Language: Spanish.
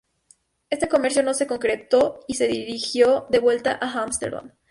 Este comercio no se concretó y se dirigió de vuelta a Ámsterdam.